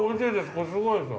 これすごいですよ。